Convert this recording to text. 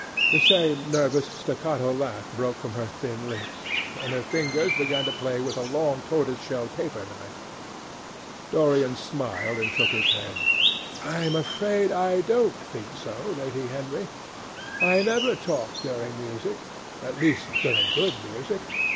The same nervous staccato laugh broke from her thin lips, and her fingers began to play with a long tortoise shell paper knife. Dorian smiled and shook his head: "I am afraid I don't think so, Lady Henry. I never talk during music—at least, during good music.